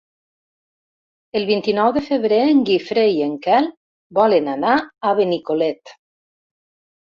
El vint-i-nou de febrer en Guifré i en Quel volen anar a Benicolet.